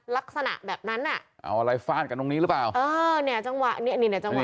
ลักษณะแบบนั้นแหละเอาอะไรฟานกันตรงนี้หรือเปล่าอ่าเนี้ยจั่งหวะเนี้ย